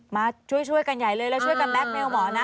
มาช่วยกันใหญ่เลยแล้วช่วยกันแก๊เมลหมอนะ